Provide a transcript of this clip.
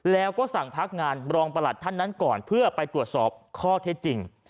แล้วก็สั่งพักงานรองประหลัดท่านนั้นก่อนเพื่อไปตรวจสอบข้อเท็จจริง